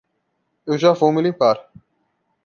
Eu já vou me limpar